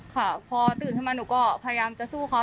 ค่ะพอตื่นขึ้นมาหนูก็พยายามจะสู้เขา